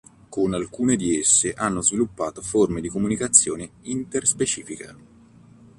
Con alcune di esse hanno sviluppato forme di comunicazione interspecifica.